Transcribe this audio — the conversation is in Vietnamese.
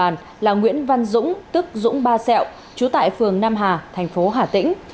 nguyễn văn dũng tức dũng ba xẹo trú tại phường nam hà thành phố hà tĩnh